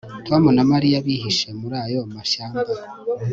Tom na Mariya bihishe muri ayo mashyamba